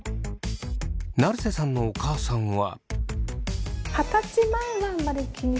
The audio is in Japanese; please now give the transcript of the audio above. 成瀬さんのお母さんは。